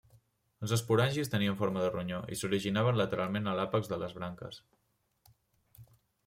Els esporangis tenien forma de ronyó i s'originaven lateralment a l'àpex de les branques.